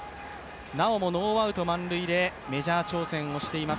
なおもノーアウト満塁でメジャー挑戦をしています